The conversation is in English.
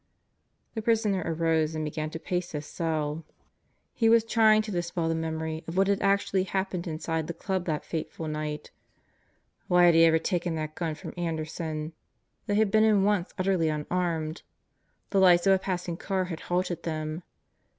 The prisoner arose and began to pace his cell. He was trying 14 God Goes to Murderers Row to dispel the memory of what had actually happened inside the Club that fatal night. Why had he ever taken that gun from Anderson? They had been in once utterly unarmed. The lights of a passing car had halted them.